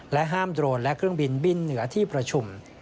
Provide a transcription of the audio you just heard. ห้ามโดรนและเครื่องบินบินเหนือที่ประชุม